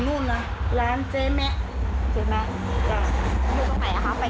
น้องหญิงที่เป็นคนลาวที่คดีที่ปลวกแดงค่ะ